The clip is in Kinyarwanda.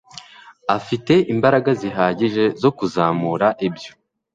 afite imbaraga zihagije zo kuzamura ibyo